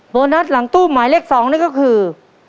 โบนัสหลังตู้หมายเลข๒นี่ก็คือ